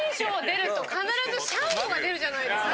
必ずシャンゴが出るじゃないですか。